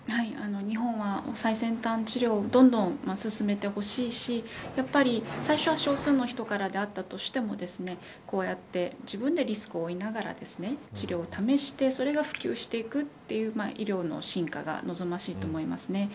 日本は最先端治療をどんどん進めてほしいしやっぱり、最初は少数の人であったとしてもこうやって自分をリスクを負いながら治療を試してそれが普及していくという医療の進化が望ましいと思います。